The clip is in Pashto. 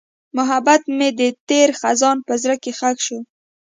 محبت مې د تېر خزان په زړه کې ښخ شو.